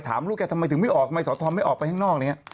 ถามลูกแกทำไมถึงไม่ออกทำไมสอทอบไม่ออกไปข้างนอก